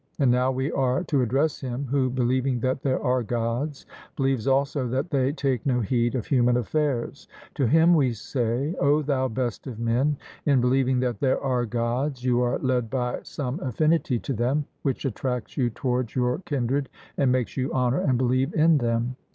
And now we are to address him who, believing that there are Gods, believes also that they take no heed of human affairs: To him we say O thou best of men, in believing that there are Gods you are led by some affinity to them, which attracts you towards your kindred and makes you honour and believe in them.